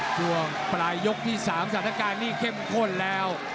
ช่วงปลายยกที่๓สถานการณ์นี้เข้มข้นแล้ว